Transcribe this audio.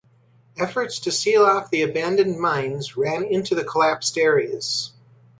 Efforts to seal off the abandoned mines ran into the collapsed areas.